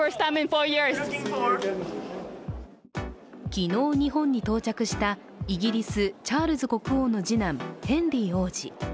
昨日、日本に到着したイギリスチャールズ国王の次男ヘンリー王子。